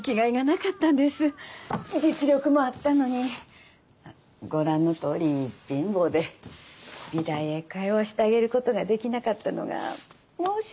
実力もあったのにご覧のとおり貧乏で美大へ通わしてあげることができなかったのが申し訳なくて。